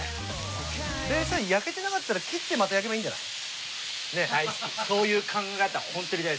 焼けてなかったら切ってまた焼けばいいんじゃない？